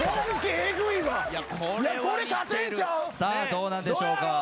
どうなんでしょうか？